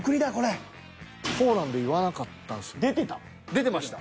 出てました。